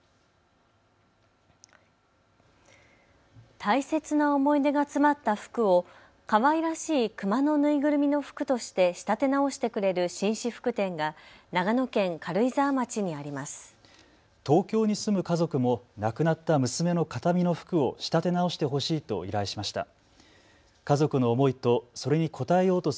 大切な思い出が詰まった服をかわいらしいクマの縫いぐるみの服として仕立て直してくれる紳士服店が長野県軽井沢町にあります。